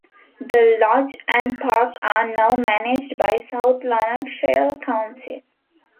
The lodge and park are now managed by South Lanarkshire Council.